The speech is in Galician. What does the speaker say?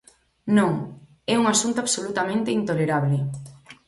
Non, é un asunto absolutamente intolerable.